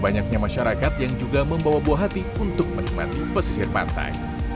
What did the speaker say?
banyaknya masyarakat yang juga membawa buah hati untuk menikmati pesisir pantai